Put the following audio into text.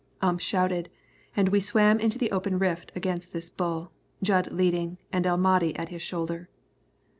Ump shouted, and we swam into the open rift against this bull, Jud leading, and El Mahdi at his shoulder.